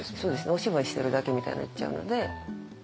お芝居してるだけみたいになっちゃうので。